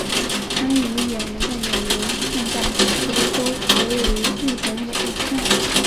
参与演出的演员现在许多都活跃于日本演艺圈。